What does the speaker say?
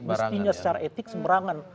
mestinya secara etik semerangan